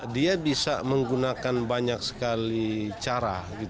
dia bisa menggunakan banyak sekali cara